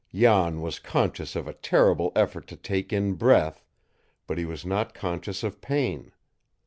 Jan was conscious of a terrible effort to take in breath, but he was not conscious of pain.